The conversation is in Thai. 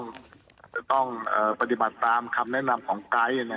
จะต้องปฏิบัติตามคำแนะนำของไกด์